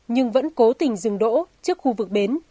nhưng vẫn cố tình dừng đỗ trước khu vực bến